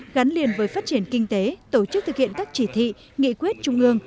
gắn liền với phát triển kinh tế tổ chức thực hiện các chỉ thị nghị quyết trung ương